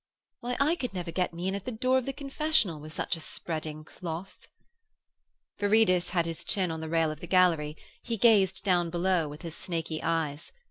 'Why, I could never get me in at the door of the confessional with such a spreading cloth.' Viridus had his chin on the rail of the gallery; he gazed down below with his snaky eyes.